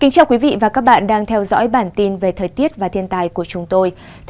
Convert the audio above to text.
cảm ơn các bạn đã theo dõi và ủng hộ cho bản tin thời tiết và thiên tài của chúng tôi